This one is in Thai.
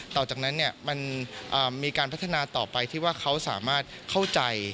ต่อจากนั้นมันมีการพัฒนาต่อไปที่ว่าเขาสามารถเข้าใจ